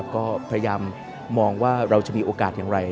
ก็พยายามมองว่าเราจะมีโอกาสอย่างไร